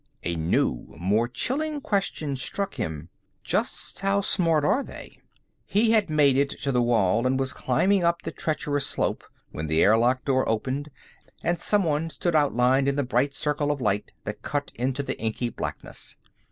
_ A new, more chilling question struck him: Just how smart are they? He had made it to the wall and was climbing up the treacherous slope when the airlock door opened, and someone stood outlined in the bright circle of light that cut into the inky blackness.